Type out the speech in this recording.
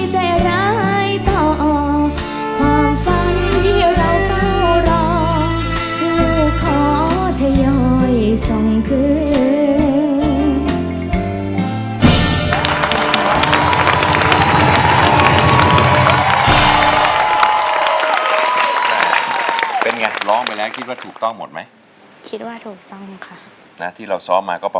ใจร้ายต่อออกความฝันที่เราเฝ้ารอ